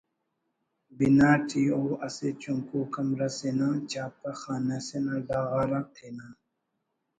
بنا T O اسہ چنکو کمرہ اسے نا چھاپہ خانہ اسے نا ڈغار آ تینا